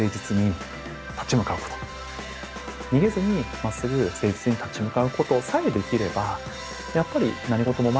逃げずにまっすぐ誠実に立ち向かうことさえできればやっぱり何事も前に進むので。